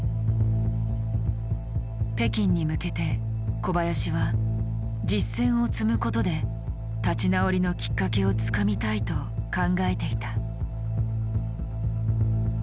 北京に向けて小林は実戦を積むことで立ち直りのきっかけをつかみたいと考えていた。